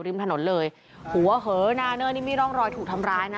ริมถนนเลยหัวเหอนาเนอร์นี่มีร่องรอยถูกทำร้ายนะ